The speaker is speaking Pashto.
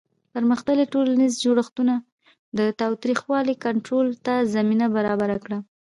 پرمختللي ټولنیز جوړښتونه د تاوتریخوالي کنټرول ته زمینه برابره کړه.